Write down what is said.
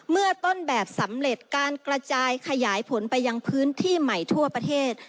เมื่อต้นแบบสำเร็จการกระจายขยายผลไปยังพื้นที่ใหม่ทั่วประเทศ